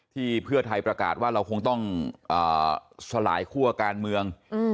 ที่เพื่อไทยประกาศว่าเราคงต้องสลายคั่วการเมือง